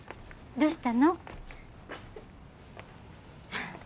どうした？